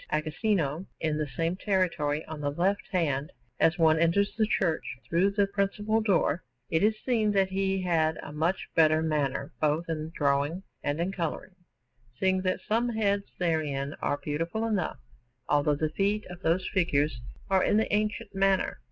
Agostino, in the same territory, on the left hand as one enters the church through the principal door, it is seen that he had a much better manner both in drawing and in colouring, seeing that some heads therein are beautiful enough, although the feet of those figures are in the ancient manner.